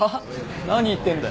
何言ってんだよ。